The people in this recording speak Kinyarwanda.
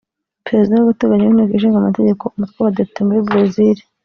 Perezida w’agateganyo w’Inteko Ishinga Amategeko umutwe w’abadepite muri Brazil